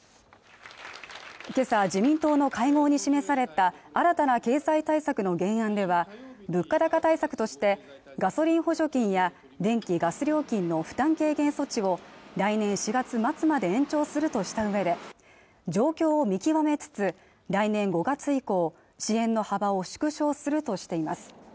今朝は自民党の会合に示された新たな経済対策の原案では物価高対策としてガソリン補助金や電気・ガス料金の負担軽減措置を来年４月末まで延長するとしたうえで状況を見極めつつ来年５月以降支援の幅を縮小するとしています